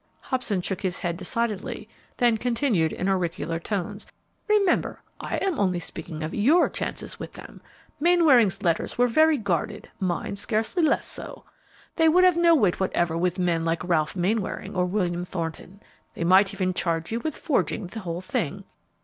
Hobson shook his head decidedly, then continued, in oracular tones, "Remember, I am only speaking of your chances with them. Mainwaring's letters were very guarded, mine scarcely less so. They would have no weight whatever with men like Ralph Mainwaring or William Thornton. They might even charge you with forging the whole thing.